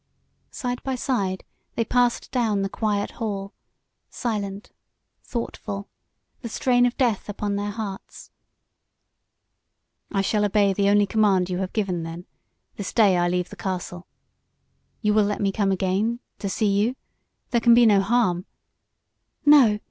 Side by side they passed down the quiet hall, silent, thoughtful, the strain of death upon their hearts. "I shall obey the only command you have given, then. This day I leave the castle. You will let me come again to see you? There can be no harm " "No!